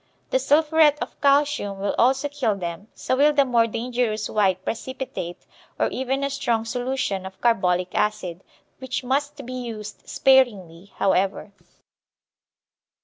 The sulphuret of calcium will also kill them, so will the more dangerous white precipitate, or even a strong solution of carbolic acid, which must be used sparingly, however.